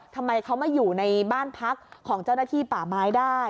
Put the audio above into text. ทำไมเขามาอยู่ในบ้านพักของเจ้าหน้าที่ป่าไม้ได้